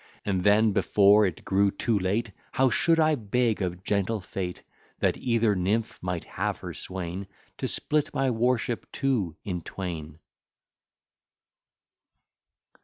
And then, before it grew too late, How should I beg of gentle fate, (That either nymph might have her swain,) To split my worship too in twain.